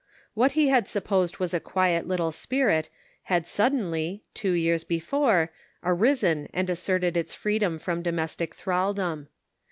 What he had supposed was a quiet little spirit had suddenly, two years before, arisen and asserted its freedom from domestic thralldom.